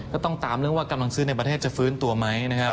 ก็ต้องตามเรื่องว่ากำลังซื้อในประเทศจะฟื้นตัวไหมนะครับ